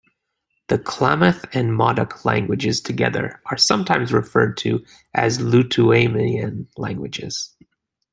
The Klamath and Modoc languages together are sometimes referred to as Lutuamian languages.